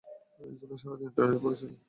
এজন্যই সারাদিন ইন্টারনেটে পড়ে ছিলা।